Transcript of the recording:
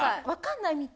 わかんない？